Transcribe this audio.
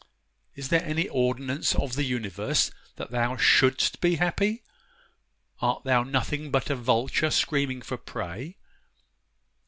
Is there any ordinance of the universe that thou shouldst be happy? Art thou nothing but a vulture screaming for prey?